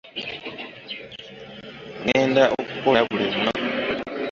Ngenda okukola buli lunaku.